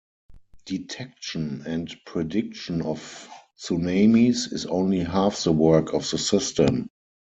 Detection and prediction of tsunamis is only half the work of the system.